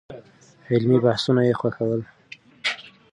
علمي بحثونه يې خوښول.